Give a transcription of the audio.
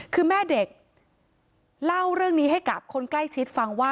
คือแม่เด็กเล่าเรื่องนี้ให้กับคนใกล้ชิดฟังว่า